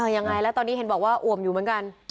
ยังไงแล้วตอนนี้เห็นบอกว่าอ่วมอยู่เหมือนกัน